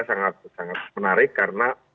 sangat menarik karena